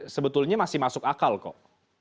sebetulnya masih masuk akal kok